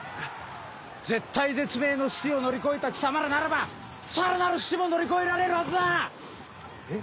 絶体絶命の死地を乗り越えた貴様らならばさらなる死地も乗り越えられるはずだ！え？